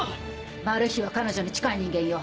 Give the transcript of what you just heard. マル被は彼女に近い人間よ。